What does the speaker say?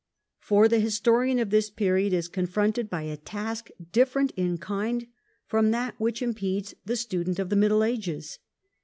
For thfe his torian of this period is confronted by a task different in kind from that which impedes the student of the Middle Ages.